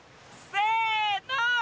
せの！